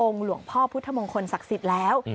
หลวงพ่อพุทธมงคลศักดิ์สิทธิ์แล้ว